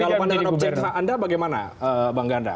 kalau pandangan objektif anda bagaimana bang ganda